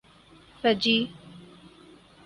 Fiji